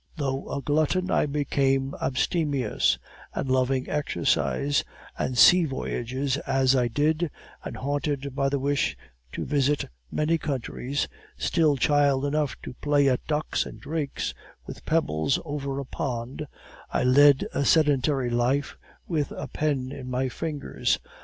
Though a glutton, I became abstemious; and loving exercise and sea voyages as I did, and haunted by the wish to visit many countries, still child enough to play at ducks and drakes with pebbles over a pond, I led a sedentary life with a pen in my fingers.